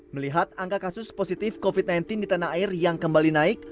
melihat angka kasus positif covid sembilan belas di tanah air yang kembali naik